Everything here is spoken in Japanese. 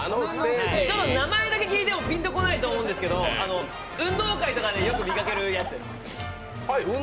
名前だけ聞いてもピンとこないと思うんですけど運動会とかでよく見かけるやつです。